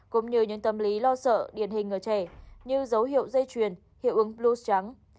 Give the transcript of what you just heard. cũng như những tâm lý lo sợ điển hình ở trẻ như dấu hiệu dây truyền hiệu ứng blue trắng